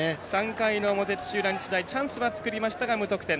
３回の表、土浦日大チャンスは作りましたが無得点。